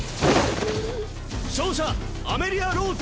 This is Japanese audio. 勝者アメリア＝ローズ！